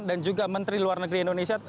dan juga menteri luar negeri indonesia